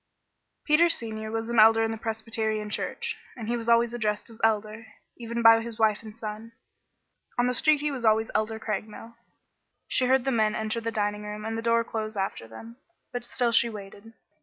Peter Senior was an Elder in the Presbyterian Church, and he was always addressed as Elder, even by his wife and son. On the street he was always Elder Craigmile. She heard the men enter the dining room and the door close after them, but still she waited.